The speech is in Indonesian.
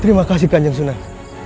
terima kasih kanjang sunan